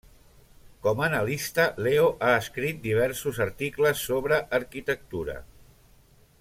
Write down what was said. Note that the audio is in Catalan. Com analista, Leo ha escrit diversos articles sobre arquitectura.